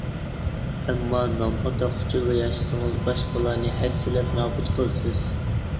ئەمما، نام-ئاتاق ئۈچۈنلا ياشىسىڭىز، باشقىلارنى ھەسسىلەپ نابۇت قىلىسىز.